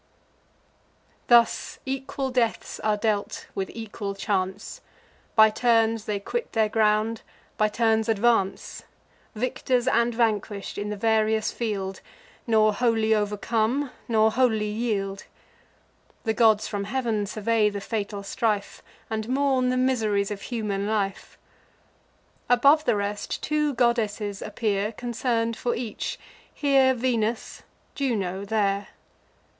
Thus equal deaths are dealt with equal chance; By turns they quit their ground, by turns advance: Victors and vanquish'd, in the various field, Nor wholly overcome, nor wholly yield. The gods from heav'n survey the fatal strife, And mourn the miseries of human life. Above the rest, two goddesses appear Concern'd for each: here Venus, Juno there.